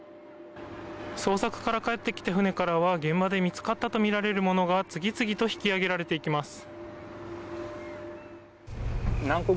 捜索から帰ってきた船からは現場で見つかったとみられるものが次々と引き上げられていきます。